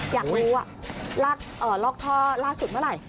อยากรู้ว่าลอกท่อล่าสุดเมื่อไหร่